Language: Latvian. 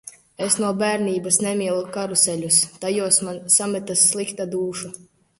Es no bērnības nemīlu karuseļus. Tajos man sametas slikta dūša!